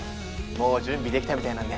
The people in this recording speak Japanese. もう準備出来たみたいなんで。